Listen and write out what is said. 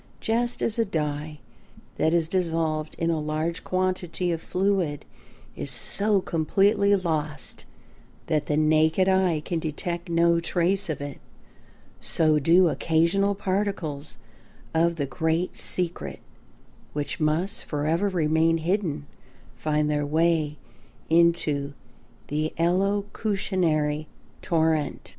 Just as a dye that is dissolved in a large quantity of fluid is so completely lost that the naked eye can detect no trace of it, so do occasional particles of the great secret which must forever remain hidden find their way into the elocutionary torrent.